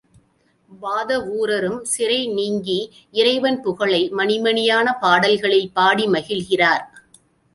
வாதவூரரும் சிறை நீங்கி இறைவன் புகழை மணி மணியான பாடல்களில் பாடி மகிழ்கிறார்.